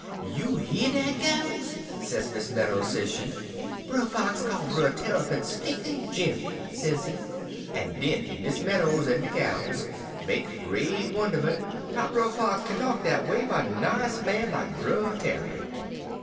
You hear dat, gals?' sez Miss Meadows, sez she; 'Brer Fox call Brer Tarrypin Stinkin' Jim,' sez she, en den Miss Meadows en de gals make great wonderment how Brer Fox kin talk dat a way 'bout nice man like Brer Tarrypin.